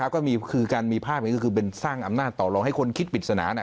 ก็มีคือการมีภาพประทับคือเป็นสร้างอำนาจต่อลองให้คนคิดปิดสนานอะ